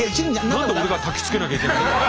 何で俺がたきつけなきゃいけないんだ。